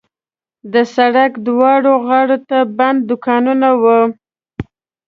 د سړک دواړو غاړو ته بند دوکانونه وو.